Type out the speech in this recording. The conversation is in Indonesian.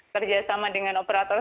kerjasama dengan operator